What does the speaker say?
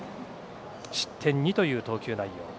失点２という投球内容。